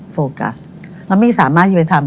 โฟกัสเราไม่สามารถที่จะไปทำ